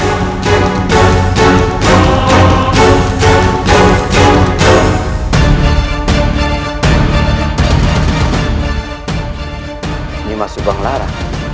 ini mas subang lara